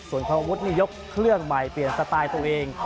ส่วนทางอาวุธนี่ยกเครื่องใหม่เปลี่ยนสไตล์ตัวเอง